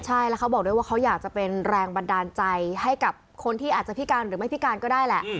ใช่แล้วเขาบอกด้วยว่าเขาอยากจะเป็นแรงบันดาลใจให้กับคนที่อาจจะพิการหรือไม่พิการก็ได้แหละ